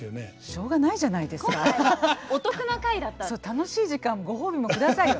楽しい時間ご褒美も下さいよ。